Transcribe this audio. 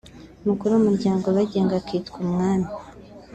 umukuru w’umuryango ubagenga akitwa Umwami